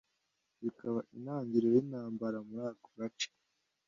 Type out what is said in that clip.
bikaba intangiriro y’intambara muri ako gace